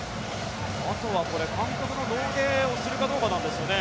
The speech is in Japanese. あとは監督の胴上げをするかどうかなんですがね。